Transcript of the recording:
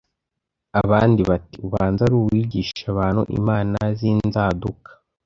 Abandi bati, “ubanza ari uwigisha abantu imana z’inzaduka.”